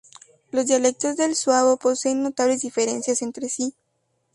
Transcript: Los dialectos del suabo poseen notables diferencias entre sí.